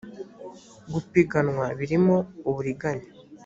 gupiganwa birimo uburiganya